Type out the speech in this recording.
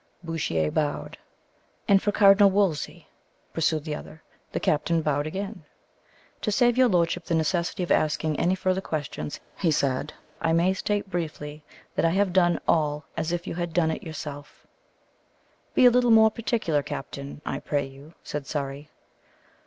Bouchier bowed. "And for Cardinal Wolsey?" pursued the other. The captain bowed again. "To save your lordship the necessity of asking any further questions," he said, "I may state briefly that I have done all as if you had done it yourself." "Be a little more particular, captain, I pray you," said Surrey.